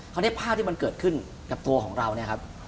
เนี่ยภาพที่มันเกิดขึ้นกับตัวของเราเนี่ยครับ